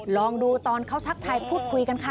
ลองดูตอนเขาทักทายพูดคุยกันค่ะ